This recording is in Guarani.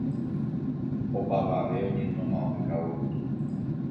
Opavave oñenóma ohekávo pytu'u